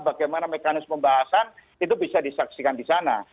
bagaimana mekanisme pembahasan itu bisa disaksikan di sana